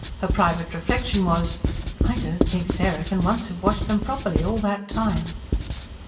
Her private reflection was: "I don't think Sarah can once have washed them properly, all that time."